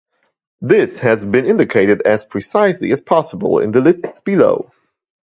This has been indicated as precisely as possible in the lists below.